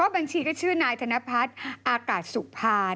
บัญชีก็ชื่อนายธนพัฒน์อากาศสุภา